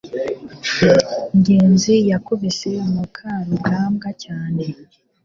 ngenzi yakubise mukarugambwa cyane